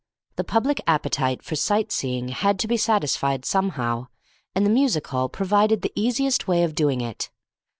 The public appetite for sight seeing had to be satisfied somehow, and the music hall provided the easiest way of doing it.